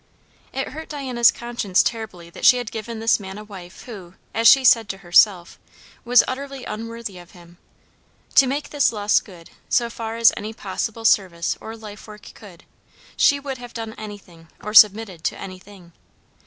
It hurt Diana's conscience terribly that she had given this man a wife who, as she said to herself, was utterly unworthy of him; to make this loss good, so far as any possible service or life work could, she would have done anything or submitted to anything.